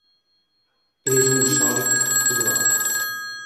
És un sòlid groc.